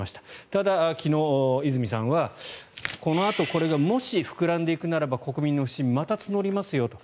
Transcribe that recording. ただ、昨日、泉さんはこのあとこれがもし膨らんでいくならば国民の不信、また募りますよと。